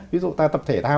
ví dụ ta tập thể thao